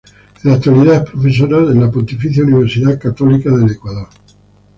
En la actualidad, es profesora en la Pontificia Universidad Católica del Ecuador.